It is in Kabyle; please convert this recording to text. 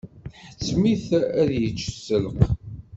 Tḥettem-it ad yečč sselq.